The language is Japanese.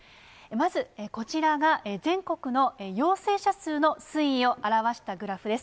まずこちらが、全国の陽性者数の推移を表したグラフです。